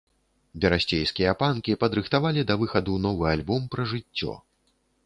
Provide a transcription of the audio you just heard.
Берасцейскія панкі падрыхтавалі да выхаду новы альбом пра жыццё.